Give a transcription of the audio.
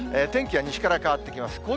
天気は西から変わってきます。